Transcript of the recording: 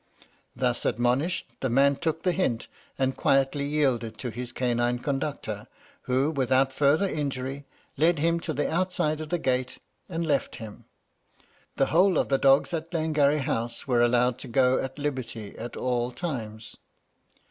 Thus admonished, the man took the hint, and quietly yielded to his canine conductor, who, without farther injury, led him to the outside of the gate, and then left him. The whole of the dogs at Glengarry House were allowed to go at liberty at all times.